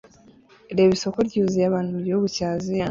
Reba isoko ryuzuye abantu mugihugu cya Aziya